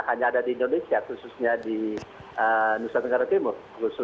hanya ada di indonesia khususnya di nusa tenggara timur